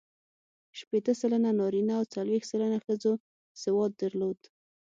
شپېته سلنه نارینه او څلوېښت سلنه ښځو سواد درلود.